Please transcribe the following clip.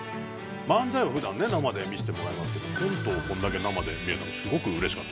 漫才を普段ね生で見せてもらいますけどコントをこれだけ生で見れたのがすごくうれしかったですね。